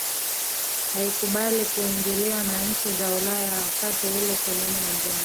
haikubali kuingiliwa na nchi za Ulaya wakati ule koloni nyingi